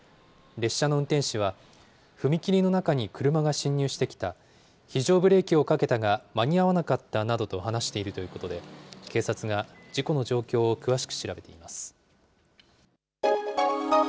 列車の運転士は、踏切の中に車が進入してきた、非常ブレーキをかけたが、間に合わなかったなどと話しているということで、警察が事故の状況を詳しく調べています。